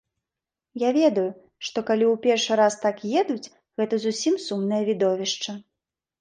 Я ведаю, што калі ў першы раз так едуць, гэта зусім сумнае відовішча.